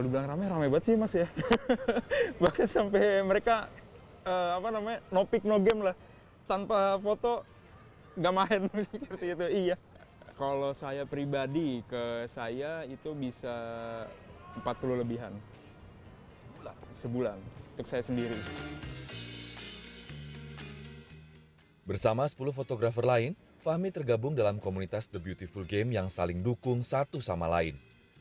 bersama sepuluh fotografer lain fahmi tergabung dalam komunitas the beautiful game yang saling dukung satu sama lain